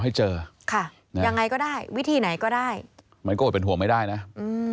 ให้เจอค่ะยังไงก็ได้วิธีไหนก็ได้มันก็อดเป็นห่วงไม่ได้นะอืม